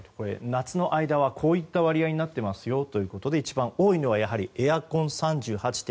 夏の間はこういった割合になっていますよということで一番多いのはエアコン３８．３％。